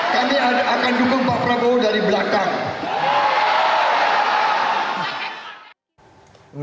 kami akan dukung pak prabowo dari belakang